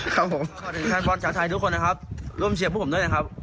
ขอร้องทางทางปลอดเฉศไทยทุกคนนะครับร่วมเชียร์พวกผมด้วยนะครับ